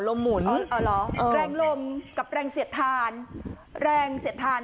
ลมหมุนอ๋อหรออ่อแรงลมกับแรงเสียดทานแรงเสียดทาน